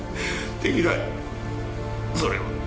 できないそれは。